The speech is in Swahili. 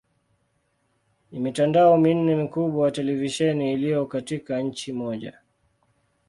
Ni mitandao minne mikubwa ya televisheni iliyo katika nchi moja.